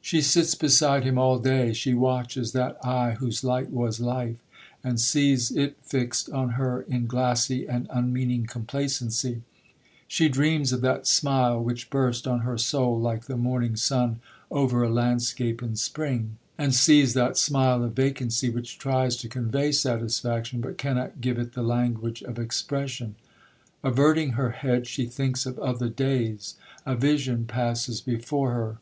'She sits beside him all day—she watches that eye whose light was life, and sees it fixed on her in glassy and unmeaning complacency—she dreams of that smile which burst on her soul like the morning sun over a landscape in spring, and sees that smile of vacancy which tries to convey satisfaction, but cannot give it the language of expression. Averting her head, she thinks of other days. A vision passes before her.